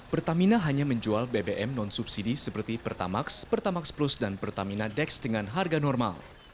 pertamina hanya menjual bbm non subsidi seperti pertamax pertamax plus dan pertamina dex dengan harga normal